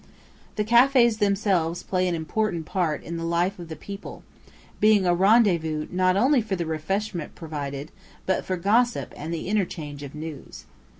The cafés themselves play an important part in the life of the people, being a rendezvous not only for the refreshment provided, but for gossip and the interchange of news.